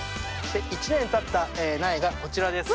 １年たった苗がこちらです。